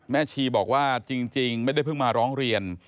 ชีบอกว่าจริงไม่ได้เพิ่งมาร้องเรียน